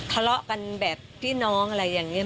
ทะเลาะกันแบบพี่น้องอะไรอย่างนี้